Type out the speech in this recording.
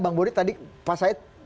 bang boni tadi pak said